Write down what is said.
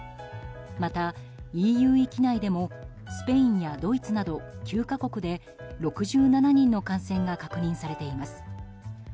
また、ＥＵ域内でもスペインやドイツなど９か国で６７人の感染が確認されています。